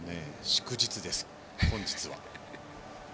祝日です、本日は。